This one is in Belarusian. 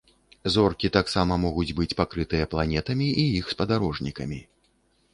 Зоркі таксама могуць быць пакрытыя планетамі і іх спадарожнікамі.